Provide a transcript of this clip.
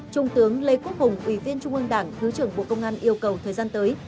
trung tướng lê quốc hùng ủy viên trung ương đảng thứ trưởng bộ công an yêu cầu thời gian tới